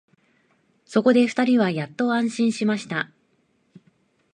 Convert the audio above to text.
そこで二人はやっと安心しました